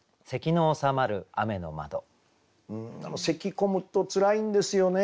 咳込むとつらいんですよね。